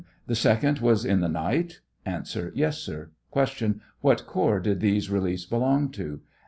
The second was in the night? A. Yes, sir. Q. What corps did those reliefs belong to